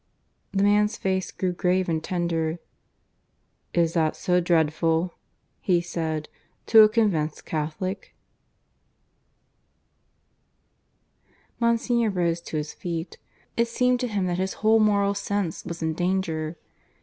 The man's face grew grave and tender. "Is that so dreadful," he said, "to a convinced Catholic?" Monsignor rose to his feet. It seemed to him that his whole moral sense was in danger.